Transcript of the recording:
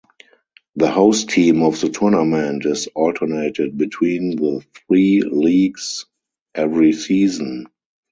The host team of the tournament is alternated between the three leagues every season.